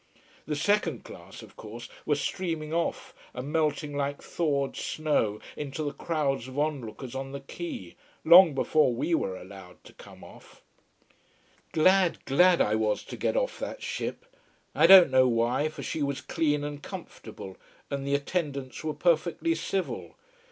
The second class, of course, were streaming off and melting like thawed snow into the crowds of onlookers on the quay, long before we were allowed to come off. Glad, glad I was to get off that ship: I don't know why, for she was clean and comfortable and the attendants were perfectly civil.